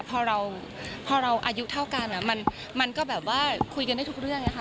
พอเราอายุเท่ากันมันก็คุยกันได้ทุกเรื่องนะคะ